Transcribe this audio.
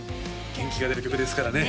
元気が出る曲ですからね